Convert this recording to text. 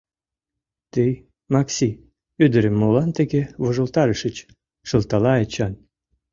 — Тый, Макси, ӱдырым молан тыге вожылтарышыч? — шылтала Эчан.